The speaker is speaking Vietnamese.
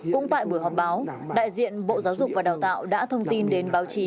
cũng tại buổi họp báo đại diện bộ giáo dục và đào tạo đã thông tin đến báo chí